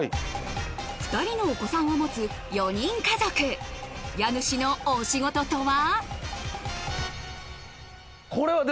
２人のお子さんを持つ４人家族家主のお仕事とは？